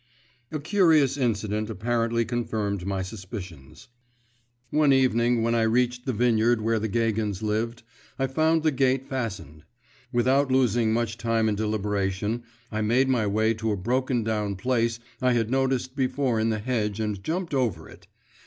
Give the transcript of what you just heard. A curious incident apparently confirmed my suspicions. One evening, when I reached the vineyard where the Gagins lived, I found the gate fastened. Without losing much time in deliberation, I made my way to a broken down place I had noticed before in the hedge and jumped over it.